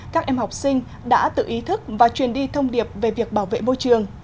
các em học sinh đã tự ý thức và truyền đi thông điệp về việc bảo vệ môi trường